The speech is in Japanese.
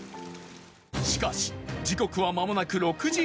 しかし時刻はまもなく６時半